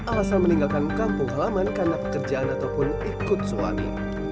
alasan meninggalkan kampung halaman karena pekerjaan ataupun ikut suami